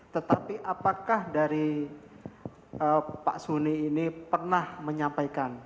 tetapi apakah dari pak suni ini pernah menyampaikan